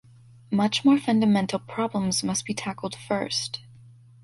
Much more fundamental problems must be tackled first.